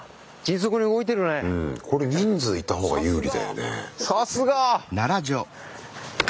これ人数いた方が有利だよね。